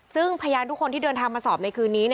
ซึ่งพยานทุกคนที่เดินทางมาสอบในคืนนี้